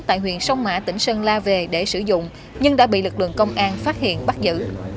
tại huyện sông mã tỉnh sơn la về để sử dụng nhưng đã bị lực lượng công an phát hiện bắt giữ